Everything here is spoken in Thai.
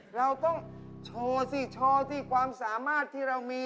เราต้องชอซิความสามารถที่เรามี